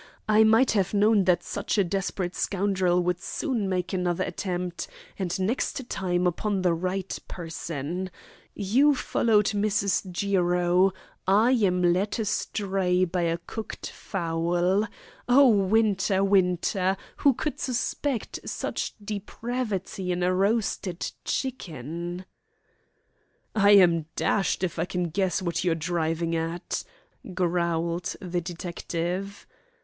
I might have known that such a desperate scoundrel would soon make another attempt, and next time upon the right person. You followed Mrs. Jiro. I am led astray by a cooked fowl. Oh, Winter, Winter, who could suspect such depravity in a roasted chicken!" "I'm dashed if I can guess what you're driving at," growled the detective.